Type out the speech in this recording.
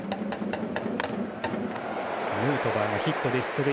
ヌートバーがヒットで出塁。